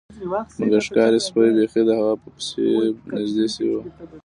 مګر ښکاري سپي بیخي د هغه په پسې نږدې شوي وو